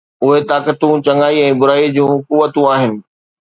اهي طاقتون چڱائي ۽ برائيءَ جون قوتون آهن